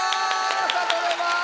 ありがとうございます！